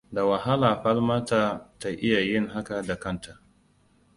Da wahala Falmatatu ta iya yin haka da kanta.